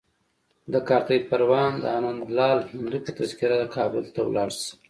د کارته پروان د انندلال هندو په تذکره کابل ته ولاړ شي.